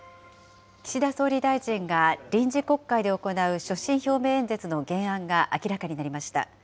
岸田総理大臣が臨時国会で行う所信表明演説の原案が明らかになりました。